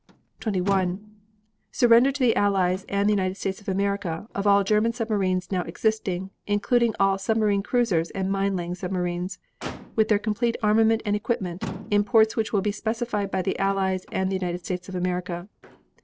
22. Surrender to the Allies and the United States of America of all German submarines now existing (including all submarine cruisers and mine laying submarines), with their complete armament and equipment, in ports which will be specified by the Allies and the United States of America.